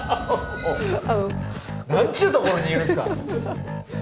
なんちゅうところにいるんですか！